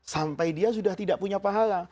sampai dia sudah tidak punya pahala